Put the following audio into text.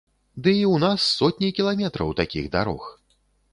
Ды і ў нас сотні кіламетраў такіх дарог.